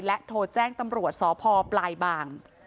โทรแจ้งตำรวจสพปลายบาง